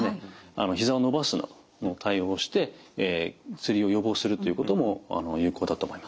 ひざを伸ばすなどの対応をしてつりを予防するということも有効だと思います。